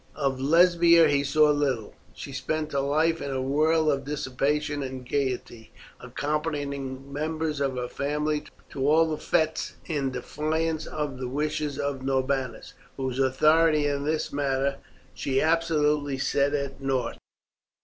Of Lesbia he saw little. She spent her life in a whirl of dissipation and gaiety, accompanying members of her family to all the fetes in defiance of the wishes of Norbanus, whose authority in this matter she absolutely set at naught.